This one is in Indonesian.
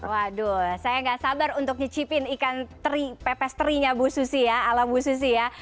waduh saya nggak sabar untuk nyecipin ikan teri pepes terinya bu susi ya ala bu susi ya